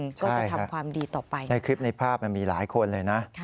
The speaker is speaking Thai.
ก็จะทำความดีต่อไปนะครับใช่ครับในคลิปในภาพมีหลายคนเลยนะ